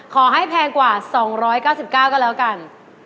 ขอให้แพงกว่า๒๙๙บาทกันแล้วกัน